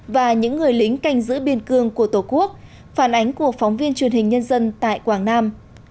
và những người lính canh giữ biên cương của tổ quốc phản ánh của phóng viên truyền hình nhân dân tại quảng nam